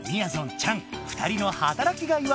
チャン２人の働きがいは？